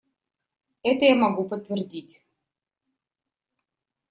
Это я могу подтвердить.